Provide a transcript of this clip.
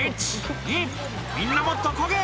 みんなもっとこげ！」